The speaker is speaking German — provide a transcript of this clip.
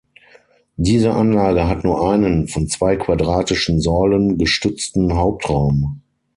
Diese Anlage hat nur einen, von zwei quadratischen Säulen gestützten Hauptraum.